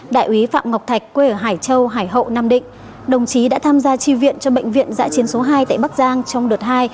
đại úy phạm ngọc thạch quê ở hải châu hải hậu nam định đồng chí đã tham gia tri viện cho bệnh viện giã chiến số hai tại bắc giang trong đợt hai